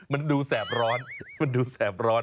มันดูแสบร้อนเนอะ